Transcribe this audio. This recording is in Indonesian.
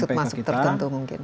dengan maksud maksud tertentu mungkin